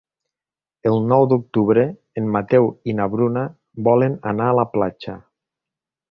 El nou d'octubre en Mateu i na Bruna volen anar a la platja.